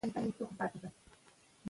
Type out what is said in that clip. عالم وویل چې تعلیم عام دی.